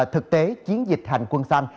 thực tế chiến dịch hành quân xanh